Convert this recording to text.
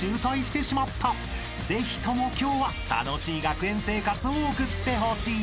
［ぜひとも今日は楽しい学園生活を送ってほしい］